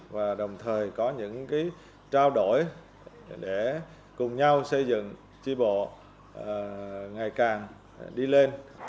và đồng thời có những cái trao đổi để cùng nhau xây dựng chi bộ ngày càng đi lên